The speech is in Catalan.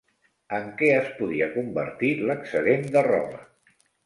En què es podia convertir l'excedent de roba?